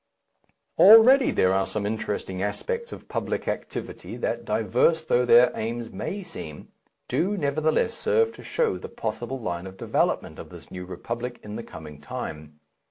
Already there are some interesting aspects of public activity that, diverse though their aims may seem, do nevertheless serve to show the possible line of development of this New Republic in the coming time.